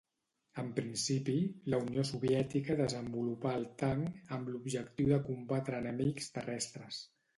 En principi, la Unió Soviètica desenvolupà el tanc amb l'objectiu de combatre enemics terrestres.